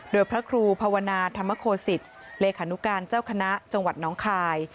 โดยพระครูภาวนาธรรมโคศิษฐ์เลขานุการเจ้าคณะจังหวัดน้องคาย